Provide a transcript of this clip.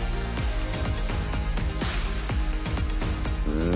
うん。